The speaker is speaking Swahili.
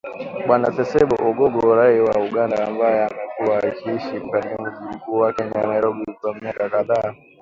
Bwana Ssebbo Ogongo, raia wa Uganda, ambaye amekuwa akiishi katika mji mkuu wa Kenya, Nairobi, kwa miaka kadhaa.